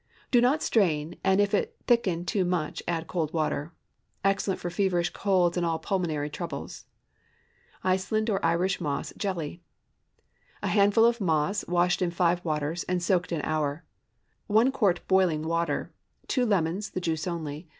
Do not strain, and if it thicken too much, add cold water. Excellent for feverish colds and all pulmonary troubles. ICELAND OR IRISH MOSS JELLY. ✠ 1 handful moss, washed in five waters, and soaked an hour. 1 quart boiling water. 2 lemons—the juice only.